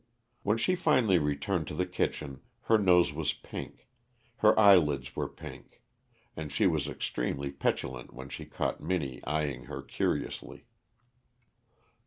When she finally returned to the kitchen her nose was pink, her eyelids were pink, and she was extremely petulant when she caught Minnie eying her curiously.